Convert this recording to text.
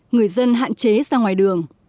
người dân hạn chế ra ngoài đường